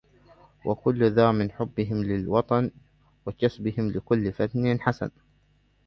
وكل ذا من حبهم للوطنِ وكسبهم لكل فن حسنِ